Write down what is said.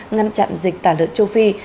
ngăn chặn dịch tả lợn châu phi